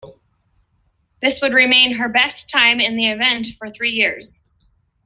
This would remain her best time in the event for three years.